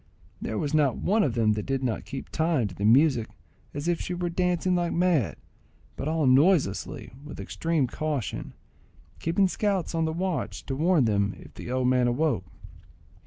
There was not one of them that did not keep time to the music as if she were dancing like mad, but all noiselessly and with extreme caution, keeping scouts on the watch to warn them if the old man awoke.